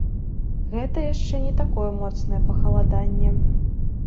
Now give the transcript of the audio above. Гэта яшчэ не такое моцнае пахаладанне.